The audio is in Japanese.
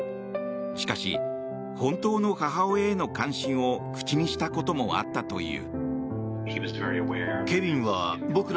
しかし、本当の母親への関心を口にしたこともあったという。